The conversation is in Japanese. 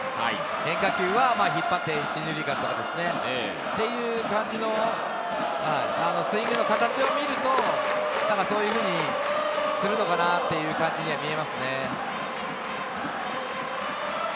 変化球は引っ張って１・２塁間とかですね、という感じのスイングの形を見ると、なんかそういうふうにするのかなっていう感じには見えますね。